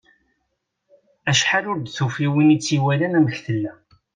Acḥal ur d-tufi win itt-iwalan amek tella.